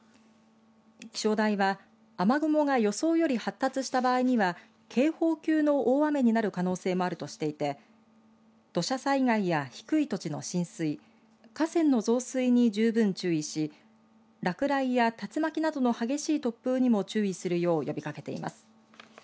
気象台は、雨雲が予想より発達した場合には警報級の大雨になる可能性もあるとしていて土砂災害や低い土地の浸水河川の増水に十分注意し落雷や竜巻などの激しい突風にも注意するよう呼びかけています。